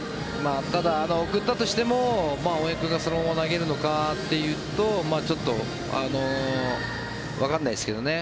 ただ、送ったとしても大江君がそのまま投げるのかというとちょっとわからないですけどね。